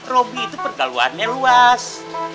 robby itu pergaluannya luas